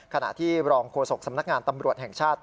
ขณะที่รองโฆษกสำนักงานตำรวจแห่งชาติ